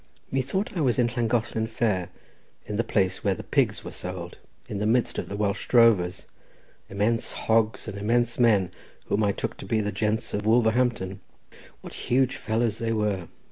Methought I was in Llangollen fair, in the place where the pigs were sold, in the midst of Welsh drovers, immense hogs and immense men, whom I took to be the gents of Wolverhampton. What huge fellows they were!